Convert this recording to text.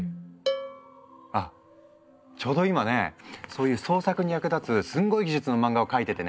あっちょうど今ねそういう創作に役立つすんごい技術の漫画を描いててね。